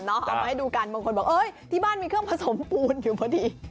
เอามาให้ดูกันบางคนบอกที่บ้านมีเครื่องผสมปูนอยู่พอดี